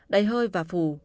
đầy hơi và phù